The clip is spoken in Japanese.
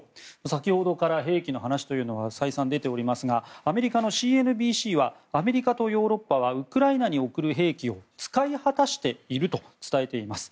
先ほどから兵器の話というのは再三出ていますがアメリカのＣＮＢＣはアメリカとヨーロッパはウクライナに送る兵器を使い果たしていると伝えています。